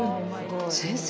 先生